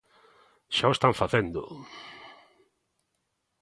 ¡Xa o están facendo!